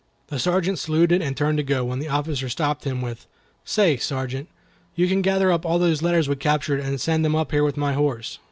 The Sergeant saluted and turned to go, when the officer stopped him with, "Say, Sergeant, you can gather up all those letters we captured and send them up here with my horse."